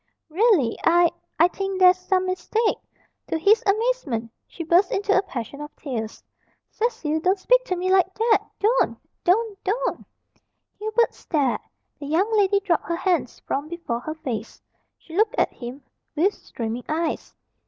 "Really I I think there's some mistake " To his amazement she burst into a passion of tears. "Cecil, don't speak to me like that don't! don't! don't!" Hubert stared. The young lady dropped her hands from before her face. She looked at him with streaming eyes.